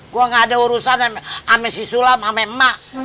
gue gak ada urusan ames si sulam sama emak